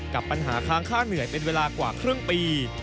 กับปัญหาค้างค่าเหนื่อยเป็นเวลากว่าครึ่งปี